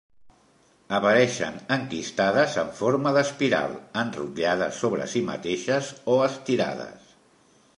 Apareixen enquistades en forma d'espiral, enrotllades sobre si mateixes o estirades.